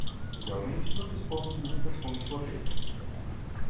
Idealmente, não dispomos de muitas fontes proteicas